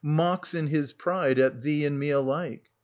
— mocks in his pride at 1340 thee and me alike.